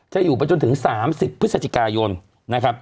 อยู่ไปจนถึง๓๐พฤศจิกายนนะครับ